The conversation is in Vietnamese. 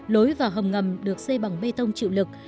lối vào hầm ngầm được xây bằng bê tông chịu lực